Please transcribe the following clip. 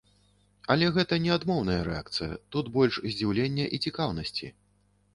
Але гэта не адмоўная рэакцыя, тут больш здзіўлення і цікаўнасці.